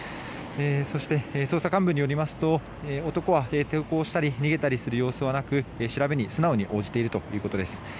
そして、捜査幹部によりますと男は抵抗したり逃げたりする様子はなく調べに素直に応じているということです。